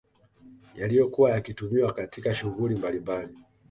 Yaliyokuwa yakitumiwa katika shughuli mbalimbali